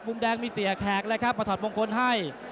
มุมแดงมีเสียแขกเลยครับมาถอดมงคลให้